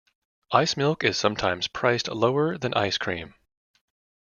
Ice milk is sometimes priced lower than ice cream.